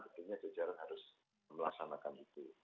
dan tentunya jajaran harus melaksanakan